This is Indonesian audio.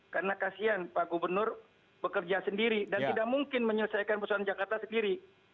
karena kasihan pak gubernur bekerja sendiri dan tidak mungkin menyelesaikan pusat jakarta sendiri